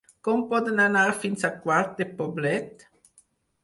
Com podem anar fins a Quart de Poblet?